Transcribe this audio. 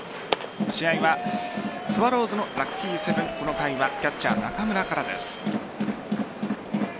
試合はスワローズのラッキーセブンこの回はキャッチャー・中村からです。